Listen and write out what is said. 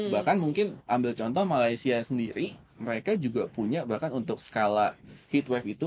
bahkan mungkin ambil contoh malaysia sendiri mereka juga punya bahkan untuk skala heat weve itu